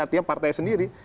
artinya partai sendiri